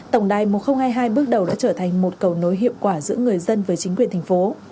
tổng đài một nghìn hai mươi hai bước đầu đã trở thành một cầu nối hiệu quả giữa người dân với chính quyền thành phố